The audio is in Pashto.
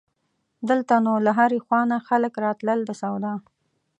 دلته نو له هرې خوا نه خلک راتلل د سودا.